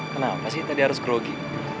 kenapa sih tadi harus grogi